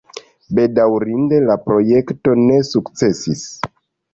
Bedaŭrinde la projekto ne sukcesis.